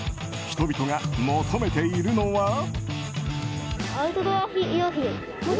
人々が求めているのは。